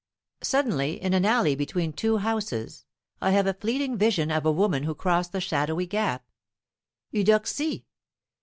Suddenly, in an alley between two houses, I have a fleeting vision of a woman who crossed the shadowy gap Eudoxie!